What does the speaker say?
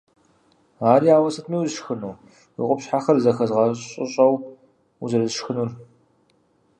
Ари ауэ сытми усшхыну, уи къупщхьэхэр зэхэзгъэщӀыщӀэущ узэрысшхынур.